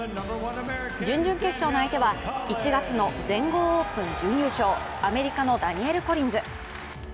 準々決勝の相手は１月の全豪オープン準優勝、アメリカのダニエル・コリンズ。